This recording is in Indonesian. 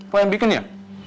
pok yang bikin ya